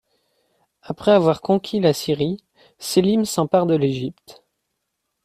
Après avoir conquis la Syrie, Selim s'empare de l'Égypte.